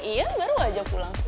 iya baru aja pulang